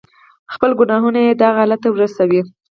خپل گناهونه ئې دغه حالت ته ورسوي.